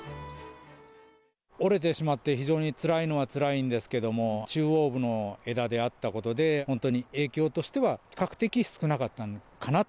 折れてしまって非常につらいのはつらいんですけども、中央部の枝であったことで、本当に影響としては比較的少なかったのかなと。